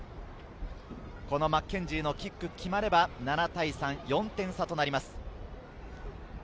このマッケンジーのキックが決まれば、７対３、４点差となります。